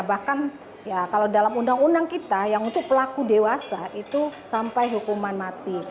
bahkan ya kalau dalam undang undang kita yang untuk pelaku dewasa itu sampai hukuman mati